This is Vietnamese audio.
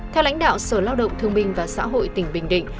theo lãnh đạo sở lao động thương minh và xã hội tỉnh bình định